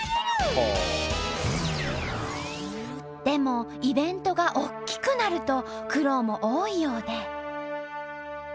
でもイベントが大きくなると苦労も多いようで。